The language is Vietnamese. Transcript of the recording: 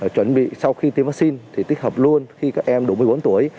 chuẩn bị sau khi tiêm vaccine thì tích hợp luôn khi các em đủ một mươi bốn tuổi